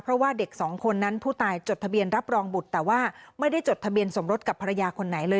เพราะว่าเด็กสองคนนั้นผู้ตายจดทะเบียนรับรองบุตรแต่ว่าไม่ได้จดทะเบียนสมรสกับภรรยาคนไหนเลย